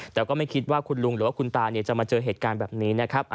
แต่ก็ไม่คิดว่าคุณลุงหรือว่าคุณตาจะมาเจอเหตุการณ์แบบนี้นะครับ